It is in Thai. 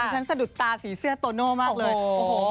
สะดุดตาสีเสื้อโตโน่มากเลย